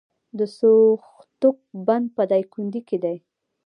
د سوختوک بند په دایکنډي کې دی